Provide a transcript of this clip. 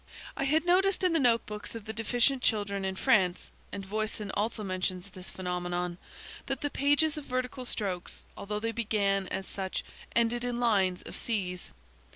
I had noticed in the note books of the deficient children in France (and Voisin also mentions this phenomenon) that the pages of vertical strokes, although they began as such, ended in lines of C's.